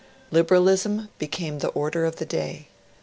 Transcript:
Liberalism became the order of the day.